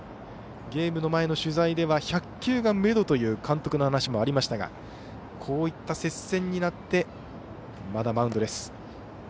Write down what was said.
ゲームの前の取材では１００球がめどという監督の話もありましたがこういった接戦になってまだマウンドです。